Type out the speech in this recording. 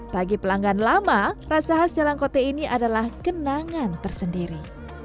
bagi pelanggan lama rasa khas jalang kote ini adalah kenangan tersendiri